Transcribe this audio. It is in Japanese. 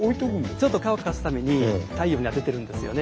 ちょっと乾かすために太陽に当ててるんですよね。